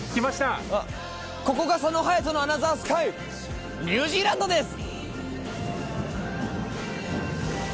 ここが佐野勇斗のアナザースカイニュージーランドです！